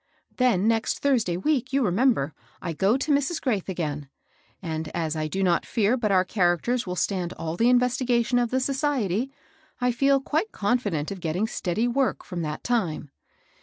Then next Thursday week, you re member, I go to Mrs. Griedth again ; and as I do not fear but our characters will stand all the inves tigation of the society, I feel quite confident of getting steady work from that time.